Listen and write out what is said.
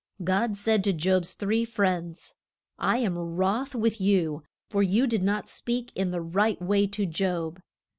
God said to Job's three friends, I am wroth with you, for you did not speak in the right way to Job.